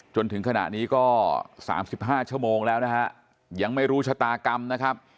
จนถึงขณะนี้ก็๓๕ชั่วโมงแล้วนะฮะยังไม่รู้ชะตากรรมนะครับ